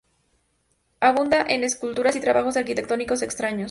Abunda en esculturas y trabajos arquitectónicos extraños.